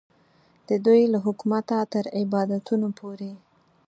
د دوی له حکومته تر عبادتونو پورې.